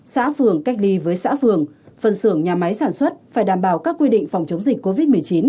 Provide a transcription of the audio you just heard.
xã phường cách ly với xã phường phân xưởng nhà máy sản xuất phải đảm bảo các quy định phòng chống dịch covid một mươi chín